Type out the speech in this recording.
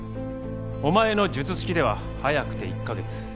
お前の術式では早くて１か月。